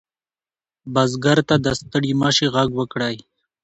بزګر ته د ستړي مشي غږ وکړئ.